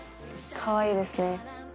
かわいいですね。